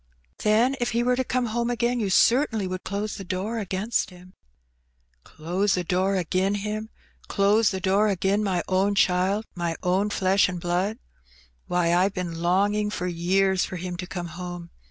Then if he were to come home again, you certainly would close the door against him?" " Close the door agin him ! Close the door agin my own child, my own flesh and blood ! Why, I've been longing for years for him to come home.